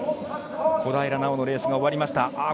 小平奈緒のレースが終わりました。